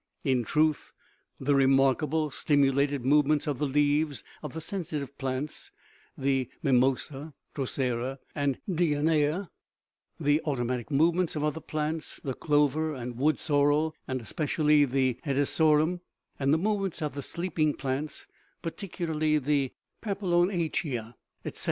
In truth, the remarkable stimulated movements of the leaves of the sensitive plants (the mi mosa, drosera, and dionaea), the automatic movements of other plants (the clover and wood sorrel, and espe cially the hedysarum), the movements of the "sleeping plants " (particularly the papilionacea) , etc.